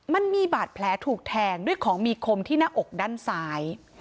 มันมีบาดแผลถูกแทงด้วยของมีคมที่หน้าอกด้านซ้าย